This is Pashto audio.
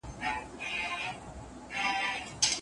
که ميراث وي برخه يې معلومه ده.